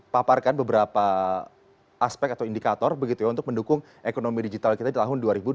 paparkan beberapa aspek atau indikator begitu ya untuk mendukung ekonomi digital kita di tahun dua ribu dua puluh